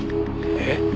えっ？